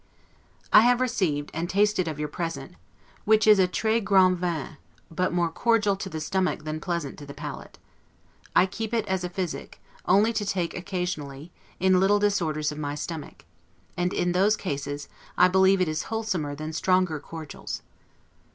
I have received, and tasted of your present; which is a 'tres grand vin', but more cordial to the stomach than pleasant to the palate. I keep it as a physic, only to take occasionally, in little disorders of my stomach; and in those cases, I believe it is wholsomer than stronger cordials.